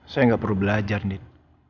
saya gak perlu belajar nid